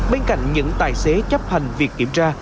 bên cạnh những tài xế chấp hành việc kiểm tra